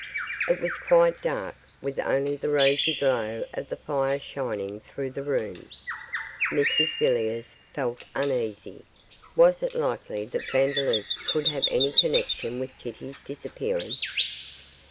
It was quite dark, with only the rosy glow of the fire shining through the room. Mrs Villiers felt uneasy; was it likely that Vandeloup could have any connection with Kitty's disappearance?